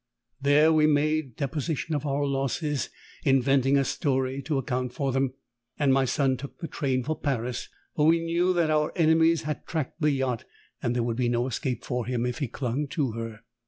There we made deposition of our losses, inventing a story to account for them, and my son took the train for Paris, for we knew that our enemies had tracked the yacht, and there would be no escape for him if he clung to her.